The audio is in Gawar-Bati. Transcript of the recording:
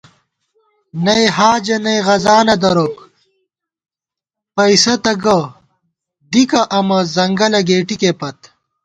نئ حاجہ نئ غذانہ دروک ، پئیسہ تہ گہ، دِکہ امہ، ځنگلہ گېٹِکےپت